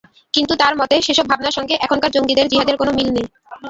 কিন্তু তাঁর মতে, সেসব ভাবনার সঙ্গে এখনকার জঙ্গিদের জিহাদের কোনো মিল নেই।